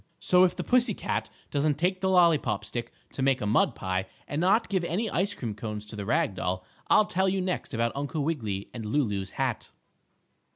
So if the pussy cat doesn't take the lollypop stick to make a mud pie, and not give any ice cream cones to the rag doll, I'll tell you next about Uncle Wiggily and Lulu's hat.